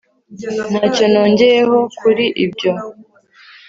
ntacyo nongeyeho kuri ibyo